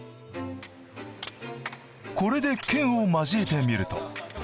これで剣を交えてみると。